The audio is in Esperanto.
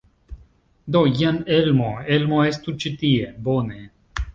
Do, jen Elmo. Elmo, estu ĉi tie! Bone.